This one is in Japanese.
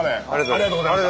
ありがとうございます。